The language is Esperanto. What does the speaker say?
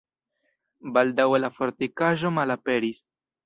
Baldaŭe la fortikaĵo malaperis.